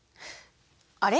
あれ？